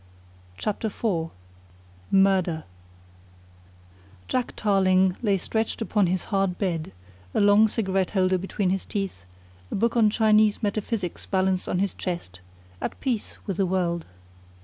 CHAPTER IV MURDER Jack Tarling lay stretched upon his hard bed, a long cigarette holder between his teeth, a book on Chinese metaphysics balanced on his chest, at peace with the world.